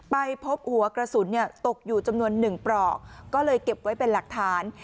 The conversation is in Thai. ไปพบหัวกระสุนตกอยู่จำนวน๑ปลอกก็เลยเก็บไว้เป็นหลักฐาน